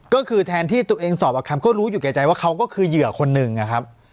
ก็คือแทนที่ตัวเองสอบอาคัมก็รู้อยู่แก่ใจว่าเขาก็คือเหยื่อคนหนึ่งนะครับ